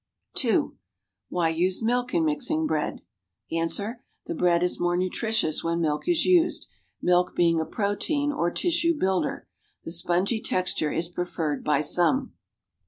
(2) Why use milk in mixing bread.' Ans. The bread is more nutritious when milk is used, milk being a protein or tissue builder. The spongy texture is preferred by some.